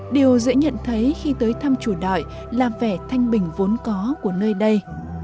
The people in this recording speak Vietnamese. điều dễ nhận thấy khi tới thăm chùa đại là vẻ thanh bình vốn có của nơi đây